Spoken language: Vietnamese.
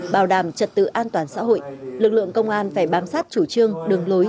bảo đảm trật tự an toàn xã hội lực lượng công an phải bám sát chủ trương đường lối